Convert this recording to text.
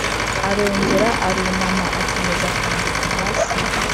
Arongera arunama akomeza kwandika hasi